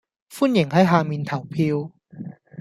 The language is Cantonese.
歡迎喺下面投票